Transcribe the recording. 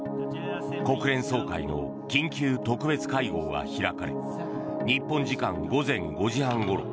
国連総会の緊急特別会合が開かれ日本時間午前５時半ごろ